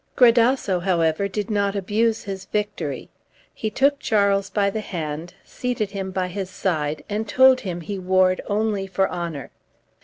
Gradasso, however, did not abuse his victory; he took Charles by the hand, seated him by his side, and told him he warred only for honor.